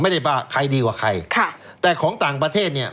ไม่ได้ว่าใครดีกว่าใครค่ะแต่ของต่างประเทศเนี่ย